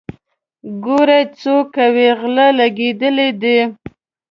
ګورئ څو کوئ غله لګېدلي دي.